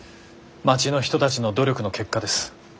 町の人たちの努力の結果です。